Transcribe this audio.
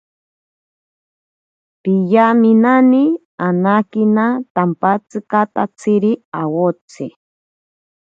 Piyaminani anakina tampatsikatatsiri awotsi.